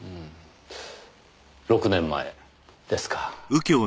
６年前ですか。